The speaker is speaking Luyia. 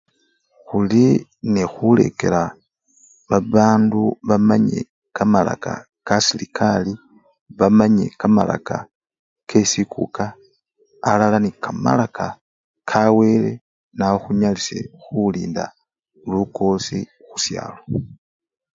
Khuli nekhulekela babandu bamanye kamalaka kaserekari, bamanye kamalaka kesikuka alala nekamalaka kawele awo nekhunyalisye khulinda lukosi khusyalo.